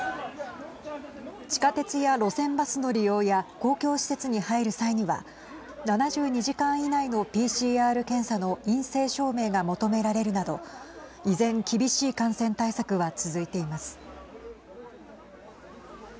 地下鉄や路線バスの利用や公共施設に入る際には７２時間以内のＰＣＲ検査の陰性証明が求められるなど依然、厳しい感染対策は続いています。